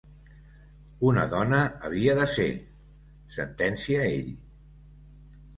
Una dona havia de ser! –sentencia ell.